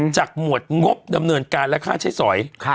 หมวดงบดำเนินการและค่าใช้สอย